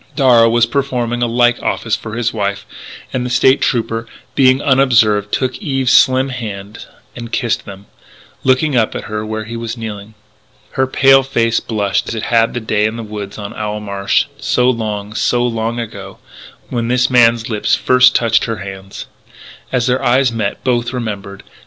Darragh was performing a like office for his wife, and the State Trooper, being unobserved, took Eve's slim hands and kissed them, looking up at her where he was kneeling. Her pale face blushed as it had that day in the woods on Owl Marsh, so long, so long ago, when this man's lips first touched her hands. As their eyes met both remembered.